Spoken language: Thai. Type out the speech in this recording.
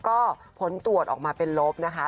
ก็ผลตรวจออกมาเป็นลบนะคะ